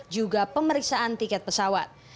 juga pemeriksaan tiket pesawat